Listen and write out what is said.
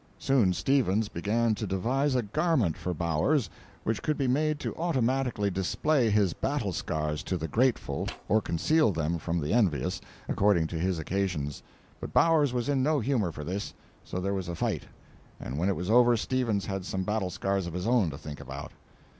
Soon Stevens began to devise a garment for Bowers which could be made to automatically display his battle scars to the grateful, or conceal them from the envious, according to his occasions; but Bowers was in no humour for this, so there was a fight, and when it was over Stevens had some battle scars of his own to think about.